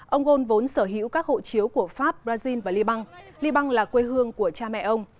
ông ghe vốn sở hữu các hộ chiếu của pháp brazil và liban liban là quê hương của cha mẹ ông